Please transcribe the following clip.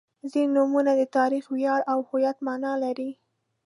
• ځینې نومونه د تاریخ، ویاړ او هویت معنا لري.